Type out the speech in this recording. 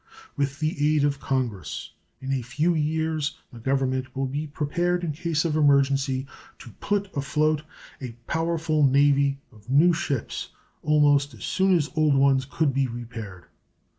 With the aid of Congress, in a few years the Government will be prepared in case of emergency to put afloat a powerful navy of new ships almost as soon as old ones could be repaired.